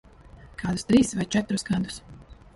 Kādus trīs vai četrus gadus.